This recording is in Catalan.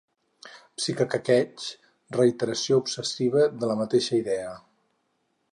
Psiquequequeig: reiteració obsessiva de la mateixa idea.